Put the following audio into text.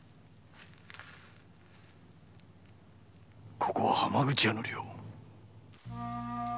ここは浜口屋の寮。